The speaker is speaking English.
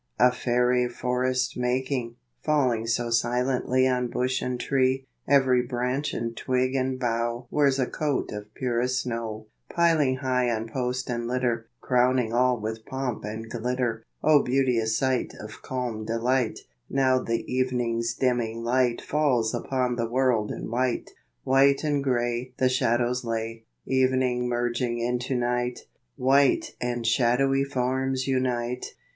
A fairy forest making, Falling so silently On bush and tree, Every branch and twig and bough Wears a coat of purest snow, Piling high on post and litter, Crowning all with pomp and glittor. O beautious sight Of calm delight, Now the evening's dimming light Falls upon the world in white, White and grey The shadows lay, Evening merging into night, White and shadowy forms unite.